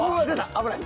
危ない。